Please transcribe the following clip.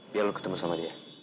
biar lo ketemu sama dia